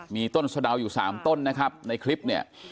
มีต้นสะดาวอยู่๓ต้นนะครับในคลิปเนี่ย